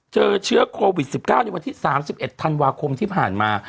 เจอเชื้อโควิด๑๙ในวันที่๓๑ธันวาคมที่ผ่านมา